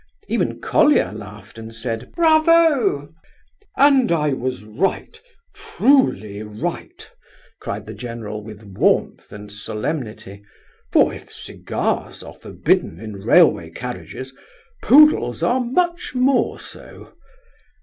Even Colia laughed and said, "Bravo!" "And I was right, truly right," cried the general, with warmth and solemnity, "for if cigars are forbidden in railway carriages, poodles are much more so."